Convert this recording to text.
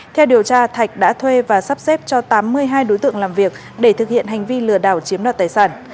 theo điều tra thạch đã thuê và sắp xếp cho tám mươi hai đối tượng làm việc để thực hiện hành vi lừa đảo chiếm đoạt tài sản